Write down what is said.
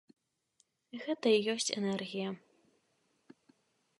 Гэта і ёсць энергія.